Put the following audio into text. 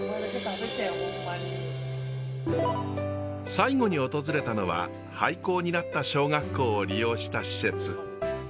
最後に訪れたのは廃校になった小学校を利用した施設。